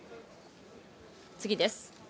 次です。